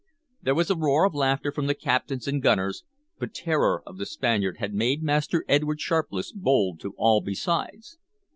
There was a roar of laughter from the captains and gunners, but terror of the Spaniard had made Master Edward Sharpless bold to all besides.